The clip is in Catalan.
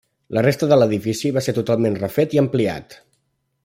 La resta de l'edifici va ser totalment refet i ampliat.